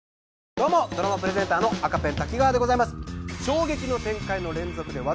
どうもドラマプレゼンターの赤ペン瀧川でございます。